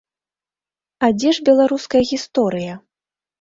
А дзе ж беларуская гісторыя?